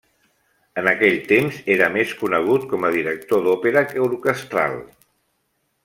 En aquell temps era més conegut com a director d'òpera que orquestral.